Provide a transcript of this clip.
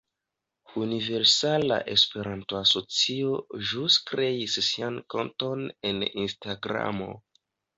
Universala Esperanto-Asocio ĵus kreis sian konton en Instagramo.